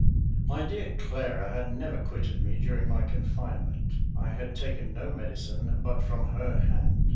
My dear Clara had never quitted me during my confinement. I had taken no medicine but from her hand.